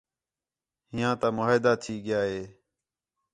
ہِیّاں تا معاہدہ تھی ڳِیا ہِے